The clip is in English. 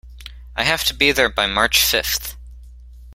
I have to be there by March fifth.